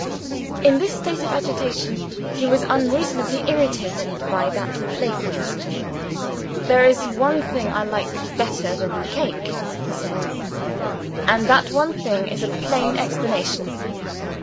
In this state of agitation, he was unreasonably irritated by that playful question. "There is one thing I like better than cake," he said; "and that one thing is a plain explanation."